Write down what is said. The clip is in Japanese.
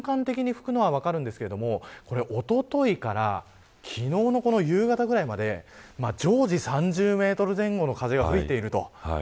これが瞬間的に吹くのは分かるんですがおとといから昨日の夕方ぐらいまで常時３０メートル前後の風が吹いていると。